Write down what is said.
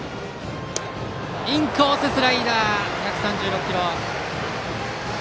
インコース、スライダー１３６キロ。